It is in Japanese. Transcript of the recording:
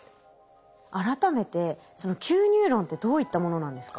改めてそのＱニューロンってどういったものなんですか？